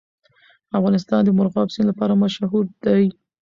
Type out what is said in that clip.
افغانستان د مورغاب سیند لپاره مشهور دی.